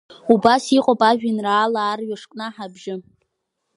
Убас иҟоуп ажәеинраала Арҩаш кнаҳа абжьы.